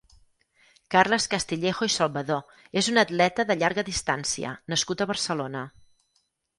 Carles Castillejo i Salvador és un atleta de llarga distància nascut a Barcelona.